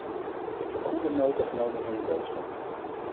Ik heb goede nota genomen van uw boodschap.